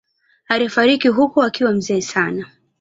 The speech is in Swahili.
Alifariki huko akiwa mzee sana.